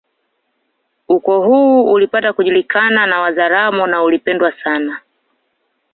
Ukoo huu ulipata kujulikana na Wazaramo na uli pendwa sana